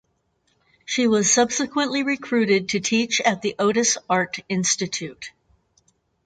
She was subsequently recruited to teach at the Otis Art Institute.